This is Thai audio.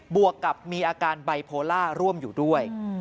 บวกกับมีอาการบรัยโปรลาร์ร่วมอยู่ด้วย